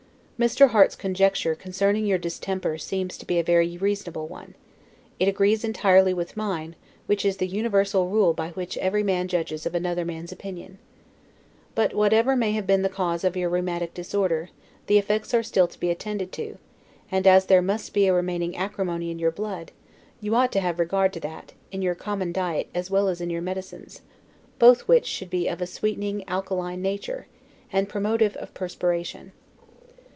Mr. Harte's conjecture concerning your distemper seems to be a very reasonable one; it agrees entirely with mine, which is the universal rule by which every man judges of another man's opinion. But, whatever may have been the cause of your rheumatic disorder, the effects are still to be attended to; and as there must be a remaining acrimony in your blood, you ought to have regard to that, in your common diet as well as in your medicines; both which should be of a sweetening alkaline nature, and promotive of perspiration.